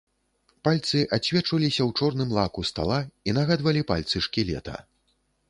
Пальцы адсвечваліся ў чорным лаку стала і нагадвалі пальцы шкілета.